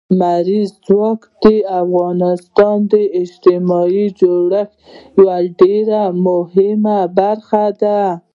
لمریز ځواک د افغانستان د اجتماعي جوړښت یوه ډېره مهمه برخه ده.